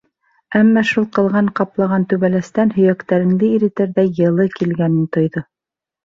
Әммә шул ҡылған ҡаплаған түбәләстән һөйәктәреңде иретерҙәй йылы килгәнен тойҙо.